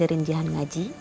jangan ngajarin jahan ngaji